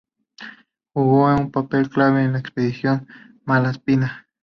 Jugó un papel clave en la Expedición Malaspina.